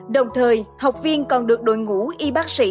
đồng thời học viên còn được đội ngũ y bác sĩ